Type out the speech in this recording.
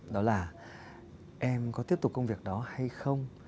đó là em có tiếp tục công việc đó hay không